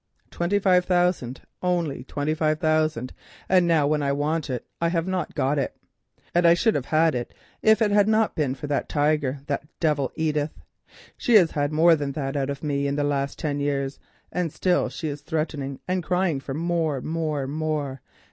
Twenty five thousand, only twenty five thousand, and now when I want it I have not got it. And I should have had it if it had not been for that tiger, that devil Edith. She has had more than that out of me in the last ten years, and still she is threatening and crying for more, more, more.